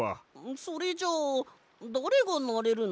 それじゃあだれがなれるの？